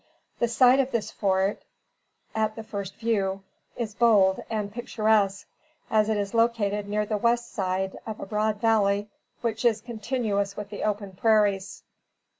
The site of this fort, at the first view, is bold and picturesque, as it is located near the west side of a broad valley, which is continuous with the open prairies.